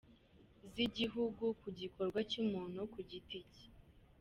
z’igihugu ku gikorwa cy’umuntu ku giti cye.